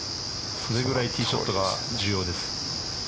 それぐらいティーショット、重要です。